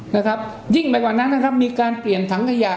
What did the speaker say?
นะครับยิ่งไปกว่านั้นนะครับมีการเปลี่ยนถังขยะ